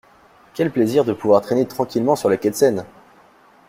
Quel plaisir de pouvoir traîner tranquillement sur les quais de Seine!